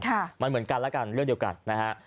ค่ะมันเหมือนกันแล้วกันเรื่องเดียวกันนะฮะ